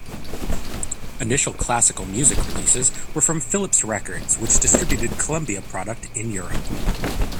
Initial classical music releases were from Philips Records which distributed Columbia product in Europe.